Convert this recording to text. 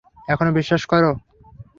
এখনো বিশ্বাস করো?